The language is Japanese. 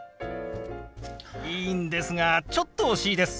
いいんですがちょっと惜しいです。